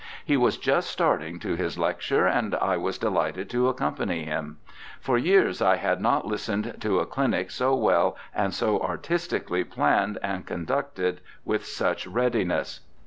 He was just starting to his lecture, and I was delighted to accompany him. For years I had not listened to a clinic so well WILLIAM PEPPER 227 and so artistically planned, and conducted with such readiness.